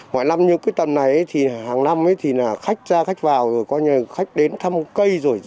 ngoài năm như cái tầm này thì hàng năm thì là khách ra khách vào rồi có những khách đến thăm cây rồi